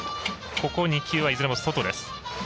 ここ２球はいずれも外です。